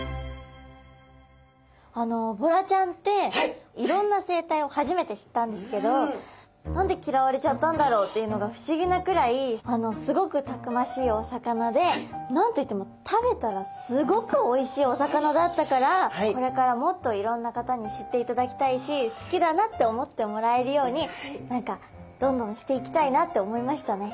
あのボラちゃんっていろんな生態を初めて知ったんですけど何で嫌われちゃったんだろうっていうのが不思議なくらいすごくたくましいお魚で何と言っても食べたらすごくおいしいお魚だったからこれからもっといろんな方に知っていただきたいし好きだなって思ってもらえるように何かどんどんしていきたいなって思いましたね。